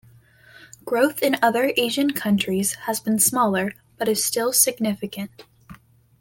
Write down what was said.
Growth in other Asian countries has been smaller but is still significant.